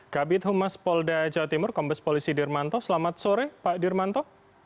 kabit humas polda jawa timur kombes polisi dirmanto selamat sore pak dirmanto